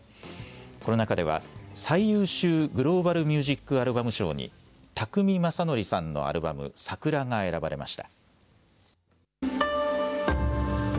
この中では、最優秀グローバル・ミュージック・アルバム賞に、宅見将典さんのアルバム、ＳＡＫＵＲＡが選ばれました。